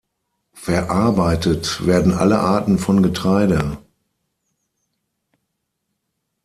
Verarbeitet werden alle Arten von Getreide.